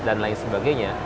dan lain sebagainya